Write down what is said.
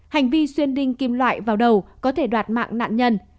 hành vi xuyên đinh kim loại vào đầu có thể đoạt mạng nạn nhân